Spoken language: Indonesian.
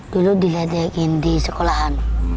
dulu diledekin di sekolahan